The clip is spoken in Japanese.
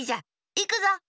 いくぞ。